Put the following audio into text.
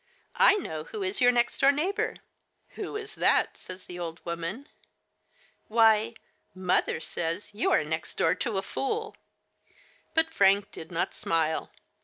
* I know who is your next door neighbor/ *Who is that?' says the old woman. "Why, mother says you are next door to a fool !*" But Frank did not smile.